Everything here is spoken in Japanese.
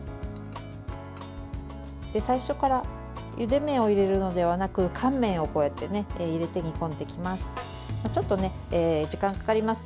最初からゆで麺を入れるのではなく乾麺を入れて煮込んでいきます。